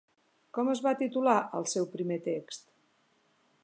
Com es va titular el seu primer text?